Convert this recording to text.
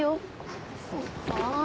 そっか。